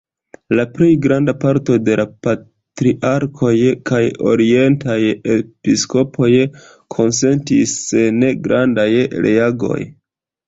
La plej granda parto de la patriarkoj kaj orientaj episkopoj konsentis sen grandaj reagoj.